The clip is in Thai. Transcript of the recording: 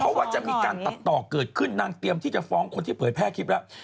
เพราะว่าจะมีการตัดต่อเกิดขึ้นนางเตรียมที่จะฟ้องคนที่เผยแพร่คลิปแล้ว